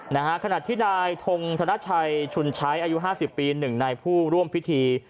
นะฮะขณะที่นายทงธนชัยชุนใช้อายุ๕๐ปี๑ในผู้ร่วมพิธี